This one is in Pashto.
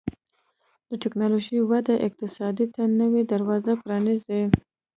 د ټکنالوژۍ وده اقتصاد ته نوي دروازې پرانیزي.